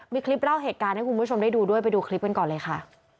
มีคลิปเล่าเหตุการณ์ให้คุณผู้ชมได้ดูด้วยไปดูคลิปกันก่อนเลยค่ะ